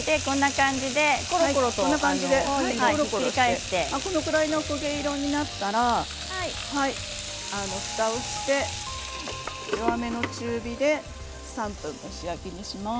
これくらいの焦げ色になったら、ふたをして弱めの中火で３分蒸し焼きにします。